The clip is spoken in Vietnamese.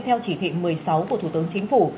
theo chỉ thị một mươi sáu của thủ tướng chính phủ